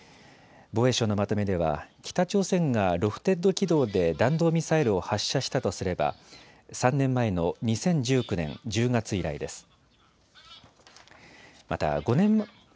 防衛省のまとめでは北朝鮮がロフテッド軌道で弾道ミサイルを発射したとすれば３年前の２０１９年１０月以来です。